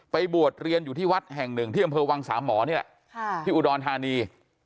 บวชเรียนอยู่ที่วัดแห่งหนึ่งที่อำเภอวังสามหมอนี่แหละที่อุดรธานี